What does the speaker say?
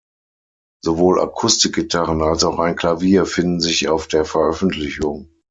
Sowohl Akustikgitarren als auch ein Klavier finden sich auf der Veröffentlichung.